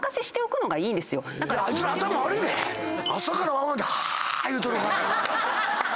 朝から晩まで「ハァ」いうとるから。